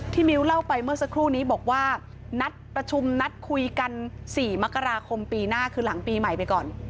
มิ้วเล่าไปเมื่อสักครู่นี้บอกว่านัดประชุมนัดคุยกัน๔มกราคมปีหน้าคือหลังปีใหม่ไปก่อน